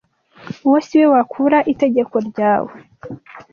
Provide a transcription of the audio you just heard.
Uwo si we wakura itegeko ryawe